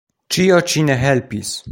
Ĉio ĉi ne helpis.